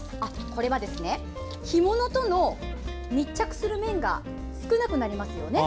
これは干物との密着する面が少なくなりますよね。